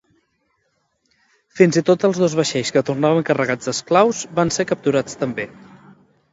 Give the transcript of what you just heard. Fins i tot els dos vaixells que tornaven carregats d'esclaus van ser capturats també.